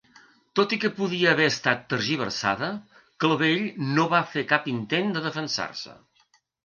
Tot i que podia haver estat tergiversada, Clavell no va fer cap intent de defensar-se.